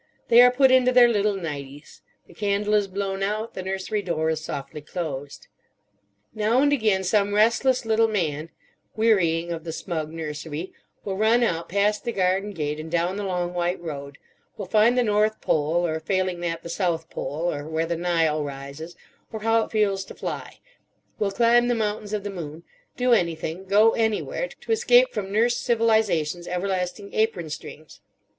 They are put into their little nighties. The candle is blown out, the nursery door is softly closed. Now and again some restless little man, wearying of the smug nursery, will run out past the garden gate, and down the long white road; will find the North Pole or, failing that, the South Pole, or where the Nile rises, or how it feels to fly; will climb the Mountains of the Moon—do anything, go anywhere, to escape from Nurse Civilisation's everlasting apron strings.